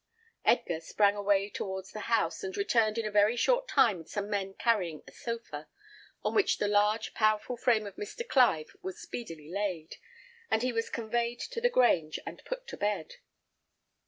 Edgar sprang away towards the house, and returned in a very short time with some men carrying a sofa, on which the large, powerful frame of Mr. Clive was speedily laid, and he was conveyed to the Grange, and put to bed.